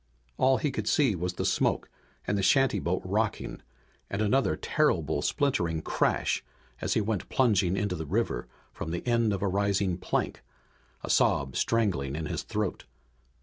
All he could see was the smoke and the shantyboat rocking, and another terrible splintering crash as he went plunging into the river from the end of a rising plank, a sob strangling in his throat.